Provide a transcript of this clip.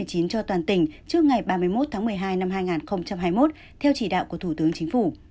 cho toàn tỉnh trước ngày ba mươi một tháng một mươi hai năm hai nghìn hai mươi một theo chỉ đạo của thủ tướng chính phủ